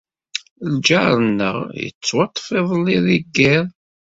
Lǧar-nneɣ yettwaṭṭef iḍelli deg yiḍ.